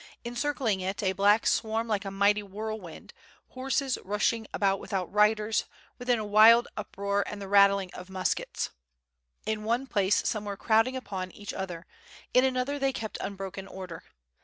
Encircling it a black swarm like a mighty whirlwind, horses rushing about without riders; within a wild uproar and the rattling of muskets. In one place some were crowding upon each other, in another they kept unbroken order.